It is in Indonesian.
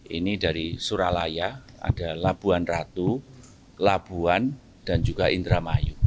ini dari suralaya ada labuan ratu labuan dan juga indramayu